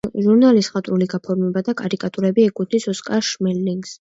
ჟურნალის მხატვრული გაფორმება და კარიკატურები ეკუთვნის ოსკარ შმერლინგს.